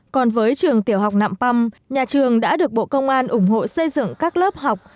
còn với trường tiểu học nạm păm nhà trường đã được bộ công an ủng hộ xây dựng các lớp học